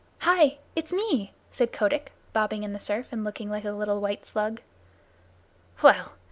"Hi! It's me," said Kotick, bobbing in the surf and looking like a little white slug. "Well!